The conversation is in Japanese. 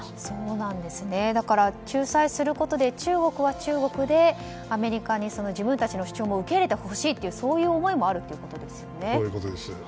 そうなんですね。仲裁することで中国は中国でアメリカに自分たちの主張も受け入れてほしいという思いもあるということですね。